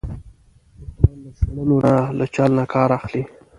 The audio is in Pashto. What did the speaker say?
دښمن له شړلو نه، له چل نه کار اخلي